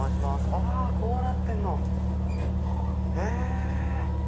あこうなってんの⁉へぇ！